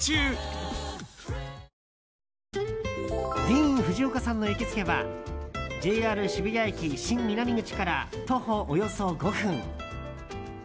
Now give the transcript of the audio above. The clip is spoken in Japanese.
ディーン・フジオカさんの行きつけはＪＲ渋谷駅新南口から徒歩およそ５分。